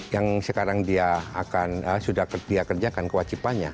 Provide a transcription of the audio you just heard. yang sekarang dia akan sudah dia kerjakan kewajibannya